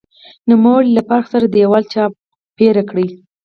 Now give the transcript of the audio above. نوموړي له پارک څخه دېوال چاپېر کړ.